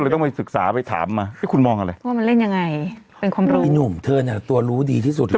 ต้องไปศึกษาไปถามมาเอ๊ะคุณมองอะไร